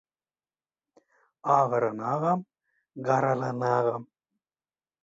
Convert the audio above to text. Agaranagam, garalanagam.